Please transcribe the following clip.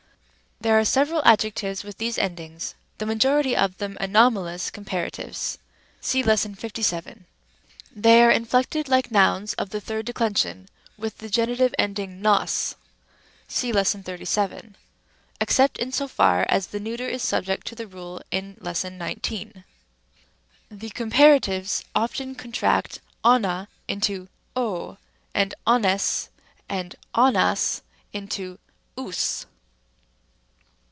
There are several adjectives with these endings, the majority of them anomalous comparatives (ὃ 57, Rem. e, 7). fem. ὃ. They are inflected like nouns of the third declension with the G. ending vos (§ 37, Rem. a, b), except in so far as the neuter is subject to the rule in ὃ 19, Lem. 6. Rem. c. The comparatives often contract ova into w, and oves and. ovas into ous.